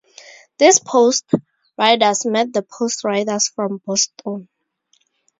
These post riders met the post riders from Boston.